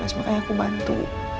aku cuma mau kamu bantu